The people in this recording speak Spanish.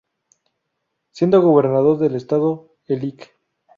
Siendo Gobernador del Estado el Lic.